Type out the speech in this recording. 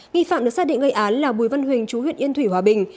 nghi phạm được xác định gây án là bùi văn huỳnh chú huyện yên thủy hòa bình